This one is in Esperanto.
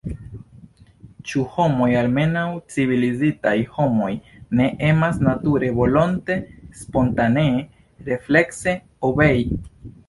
Ĉu homoj – almenaŭ, civilizitaj homoj – ne emas nature, volonte, spontanee, reflekse obei?